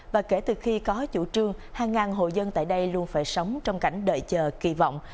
và kể từ khi có chủ trương hàng ngàn hộ dân tại đây luôn phải sống trong cảnh đợi chờ kỳ vọng